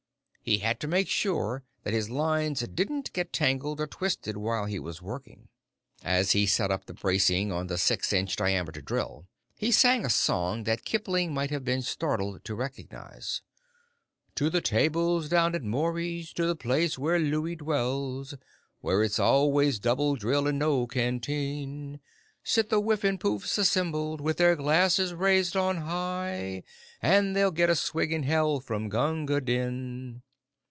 He had to make sure that his lines didn't get tangled or twisted while he was working. As he set up the bracing on the six inch diameter drill, he sang a song that Kipling might have been startled to recognize: _"To the tables down at Mory's, To the place where Louie dwells, Where it's always double drill and no canteen, Sit the Whiffenpoofs assembled, With their glasses raised on high, And they'll get a swig in Hell from Gunga Din."